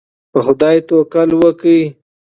په خدای توکل وکړئ.